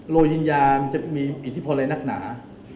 โรยิญญาจะมีอิทธิพลัยนักหนา